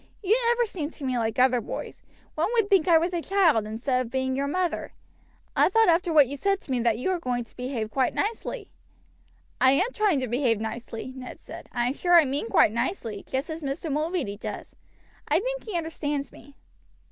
You never seem to me like other boys. One would think I was a child instead of being your mother. I thought after what you said to me that you were going to behave nicely." "I am trying to behave nicely," Ned said. "I am sure I meant quite nicely, just as Mr. Mulready does; I think he understands me."